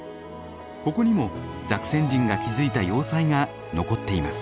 ここにもザクセン人が築いた要塞が残っています。